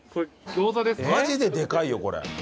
マジででかいよこれ。